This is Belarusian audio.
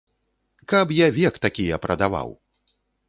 Каб я век такія прадаваў!